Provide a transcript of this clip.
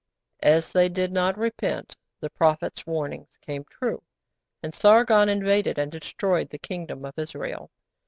As they did not repent the prophets' warning came true, and Sargon invaded and destroyed the Kingdom of Israel.